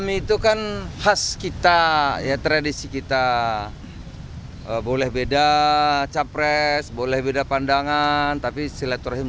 enam itu kan khas kita ya tradisi kita boleh beda capres boleh beda pandangan tapi silaturahim